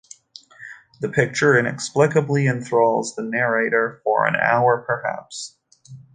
The picture inexplicably enthralls the narrator "for an hour perhaps".